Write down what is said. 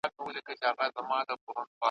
د بدو سترګو مخ ته سپر د سپیلینيو درځم `